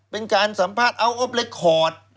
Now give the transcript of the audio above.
เป็นการสัมภาษณ์อัลโอฟเล็กคอร์ด